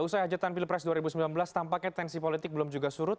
usai hajatan pilpres dua ribu sembilan belas tampaknya tensi politik belum juga surut